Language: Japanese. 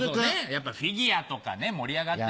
やっぱフィギュアとかね盛り上がった。